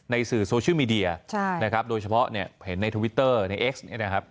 สื่อโซเชียลมีเดียใช่นะครับโดยเฉพาะเนี่ยเห็นในทวิตเตอร์ในเอ็กซ์เนี่ยนะครับ